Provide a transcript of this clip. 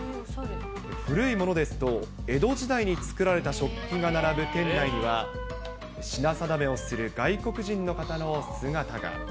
古いものですと、江戸時代に作られた食器が並ぶ店内には、品定めをする外国人の方の姿が。